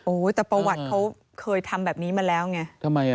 โอ้โหแต่ประวัติเค้าเคยทำแบบนี้มาแล้วไง